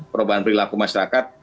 perubahan perilaku masyarakat